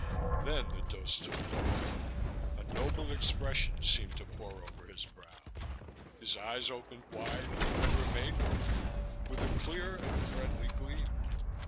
Then the dose took hold. A noble expression seemed to pour over his brow. His eyes opened wide and remained open, with a clear and friendly gleam.